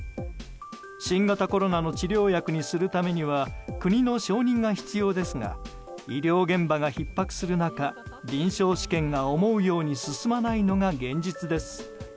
新型コロナの治療薬にするためには国の承認が必要ですが医療現場がひっ迫する中臨床試験が思うように進まないのが現実です。